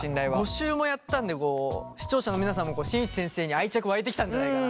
５週もやったので視聴者の皆さんも新内先生に愛着湧いてきたんじゃないかなと。